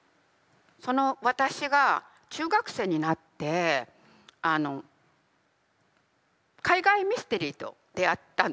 その私が中学生になって海外ミステリーと出会ったんですよ。